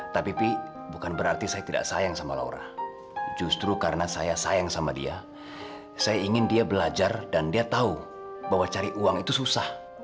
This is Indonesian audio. tapi pi bukan berarti saya tidak sayang sama laura justru karena saya sayang sama dia saya ingin dia belajar dan dia tahu bahwa cari uang itu susah